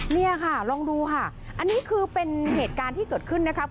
นี่ค่ะลองดูค่ะอันนี้คือเป็นเหตุการณ์ที่เกิดขึ้นนะครับ